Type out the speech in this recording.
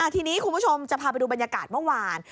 ทีนี้คุณผู้ชมจะพาไปดูบรรยากาศเมื่อวาน